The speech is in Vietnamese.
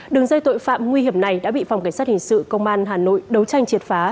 đường dây tội phạm nguy hiểm này đã bị phòng cảnh sát hình sự công an hà nội đấu tranh triệt phá